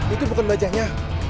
itu bukan bajanya